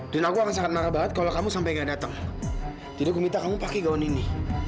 dan aku akan sangat marah banget kalau kamu sampai nggak datang tidak meminta kamu pakai gaun ini